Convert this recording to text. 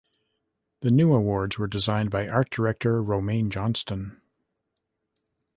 The new awards were designed by art director Romain Johnston.